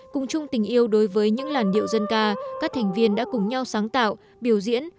cùng chung tình yêu đối với những làn điệu dân ca các thành viên đã cùng nhau sáng tạo biểu diễn